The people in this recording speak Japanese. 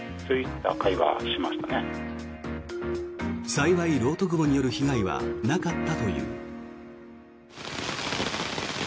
幸い、漏斗雲による被害はなかったという。